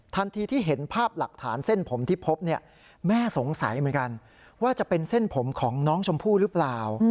ทันทีที่เห็นภาพหลักฐานเส้นผมที่พบเนี่ยแม่สงสัยเหมือนกันว่าจะเป็นเส้นผมของน้องชมพู่หรือเปล่า